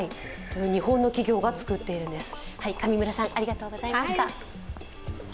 日本の企業が作っているんです。